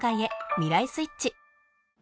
未来スイッチ！